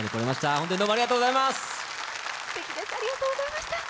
本当にどうもありがとうございます。